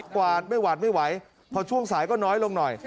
กวาดไม่หวาดไม่ไหวพอช่วงสายก็น้อยลงหน่อย